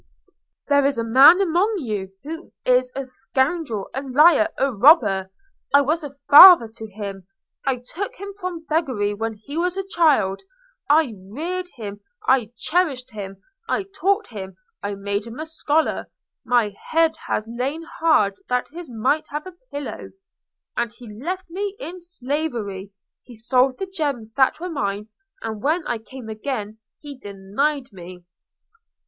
"There is a man among you who is a scoundrel, a liar, a robber. I was a father to him. I took him from beggary when he was a child. I reared him, I cherished him, I taught him, I made him a scholar. My head has lain hard that his might have a pillow. And he left me in slavery; he sold the gems that were mine, and when I came again, he denied me."